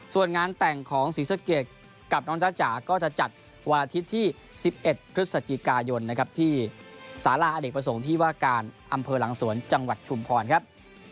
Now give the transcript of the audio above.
ส่วนงานแต่งของศรีสะเกดกับน้องจ้าจ๋าก็จะจัดวันอาทิตย์ที่๑๑พฤศจิกายนนะครับที่สาราอเนกประสงค์ที่ว่าการอำเภอหลังสวนจังหวัดชุมพรครับ